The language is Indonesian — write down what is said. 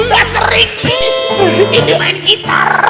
ya sering ini main gitar